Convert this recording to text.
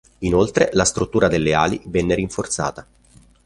Inoltre la struttura delle ali venne rinforzata.